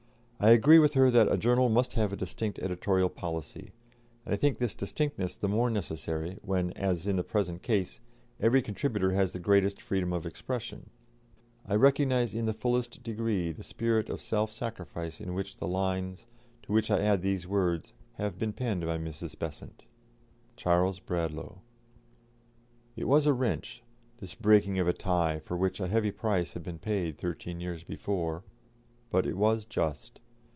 I agree with her that a journal must have a distinct editorial policy; and I think this distinctness the more necessary when, as in the present case, every contributor has the greatest freedom of expression. I recognise in the fullest degree the spirit of self sacrifice in which the lines, to which I add these words, have been penned by Mrs. Besant. "CHARLES BRADLAUGH." It was a wrench, this breaking of a tie for which a heavy price had been paid thirteen years before, but it was just.